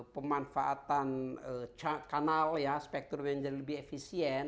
pemanfaatan kanal ya spektrumnya menjadi lebih efisien